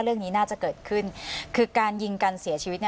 เรื่องนี้น่าจะเกิดขึ้นคือการยิงกันเสียชีวิต